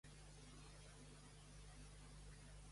Quina botiga hi ha a la plaça d'Àngel Pestaña número setanta?